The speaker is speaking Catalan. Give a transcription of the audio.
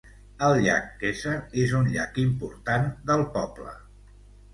El llac Kezar és un llac important del poble.